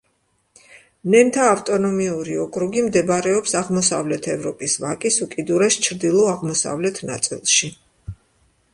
ნენთა ავტონომიური ოკრუგი მდებარეობს აღმოსავლეთ ევროპის ვაკის უკიდურეს ჩრდილო-აღმოსავლეთ ნაწილში.